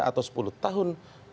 atau sepuluh tahun